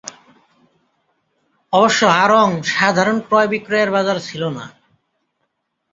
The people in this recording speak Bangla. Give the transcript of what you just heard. অবশ্য আড়ং সাধারণ ক্রয়-বিক্রয়ের বাজার ছিল না।